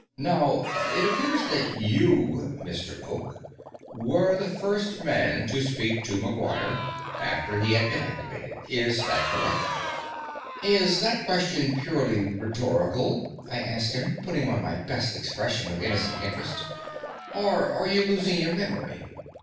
"Now, it appears that you, Mr. Oak, were the first man to speak to McGuire after he had been activated. Is that correct?" "Is that question purely rhetorical," I asked him, putting on my best expression of innocent interest. "Or are you losing your memory?"